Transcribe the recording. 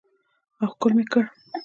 او ښکل مې کړ.